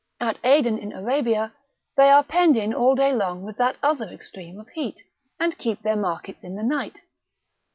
At Aden in Arabia they are penned in all day long with that other extreme of heat, and keep their markets in the night.